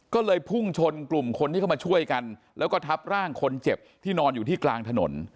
ก็เลยพุ่งชนกลุ่มคนที่เข้ามาช่วยกันแล้วก็ทับร่างคนเจ็บที่นอนอยู่ที่กลางถนน